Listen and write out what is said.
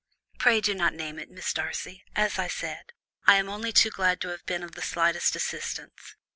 "Pray do not name it, Miss Darcy; as I said, I am only too glad to have been of the slightest assistance.